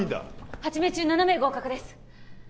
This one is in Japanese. ８名中７名合格です